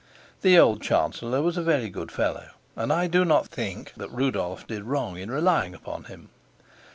The old chancellor was a very good fellow, and I do not think that Rudolf did wrong in relying upon him.